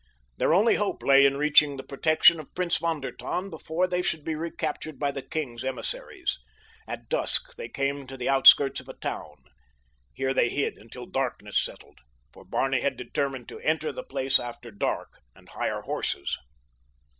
Their only hope lay in reaching the protection of Prince von der Tann before they should be recaptured by the king's emissaries. At dusk they came to the outskirts of a town. Here they hid until darkness settled, for Barney had determined to enter the place after dark and hire horses.